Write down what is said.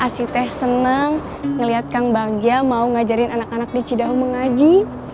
asyiteh seneng ngeliat kang bagia mau ngajarin anak anak di cidaho mengaji